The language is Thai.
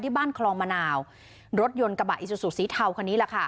บ้านคลองมะนาวรถยนต์กระบะอิซูซูสีเทาคันนี้แหละค่ะ